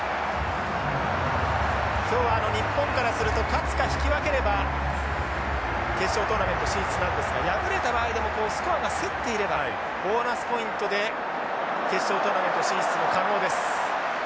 今日は日本からすると勝つか引き分ければ決勝トーナメント進出なんですが敗れた場合でもスコアが競っていればボーナスポイントで決勝トーナメント進出も可能です。